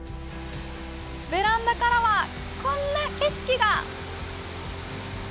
ベランダからはこんな景色が！